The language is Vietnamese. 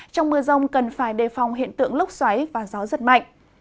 trong mưa rông cần phải đề phòng hiện tượng lốc xoáy và gió giật mạnh